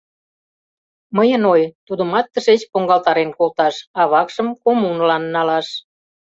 Мыйын ой: тудымат тышеч поҥгалтарен колташ, а вакшым коммунылан налаш!..